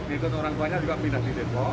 ikut orang tuanya juga pindah di depok